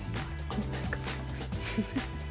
何ですか？